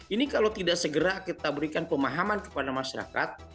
ini kalau tidak segera kita berikan pemahaman kepada masyarakat